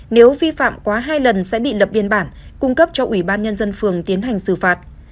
nếu vi phạm quá hai lần sẽ bị lập biên bản cung cấp cho ủy ban nhân dân phường tiến hành xử phạt